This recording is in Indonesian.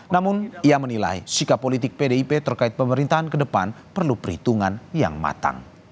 namun ia menilai sikap politik pdip terkait pemerintahan ke depan perlu perhitungan yang matang